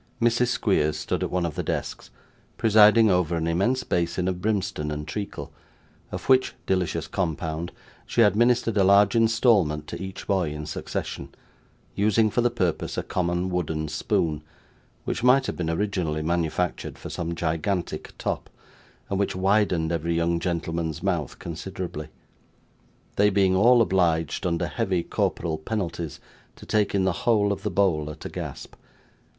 Mrs. Squeers stood at one of the desks, presiding over an immense basin of brimstone and treacle, of which delicious compound she administered a large instalment to each boy in succession: using for the purpose a common wooden spoon, which might have been originally manufactured for some gigantic top, and which widened every young gentleman's mouth considerably: they being all obliged, under heavy corporal penalties, to take in the whole of the bowl at a gasp.